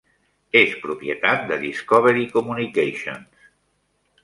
És propietat de Discovery Communications.